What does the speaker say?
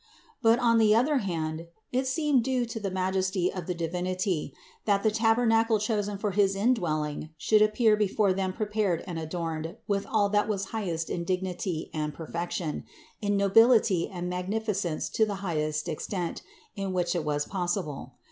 But on the other hand it seemed due to the majesty of the Di vinity, that the tabernacle chosen for his indwelling should appear before them prepared and adorned with all that was highest in dignity and perfection, in nobility and magnificence to the full extent, in which it was pos sible.